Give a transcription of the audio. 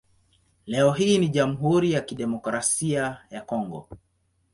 Leo hii ni Jamhuri ya Kidemokrasia ya Kongo.